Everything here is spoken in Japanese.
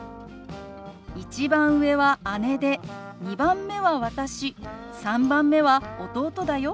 「１番上は姉で２番目は私３番目は弟だよ」。